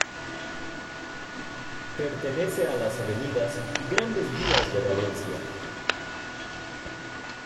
Pertenece a las avenidas y grandes vías de Valencia.